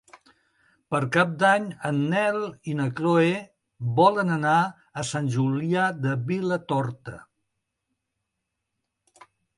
Per Cap d'Any en Nel i na Chloé volen anar a Sant Julià de Vilatorta.